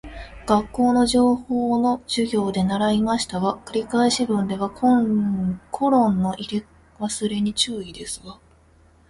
学校の情報の授業で習いましたわ。繰り返し文ではコロンの入れ忘れに注意ですわ